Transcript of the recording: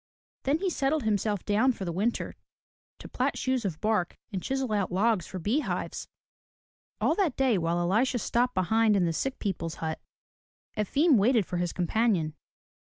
Then he settled himself down for the winter to plat shoes of bark and chisel out logs for bee hives. All that day while Elisha stopped behind in the sick people's hut, Efim waited for his companion.